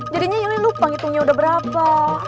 jadi ini lupa ngitungnya berapa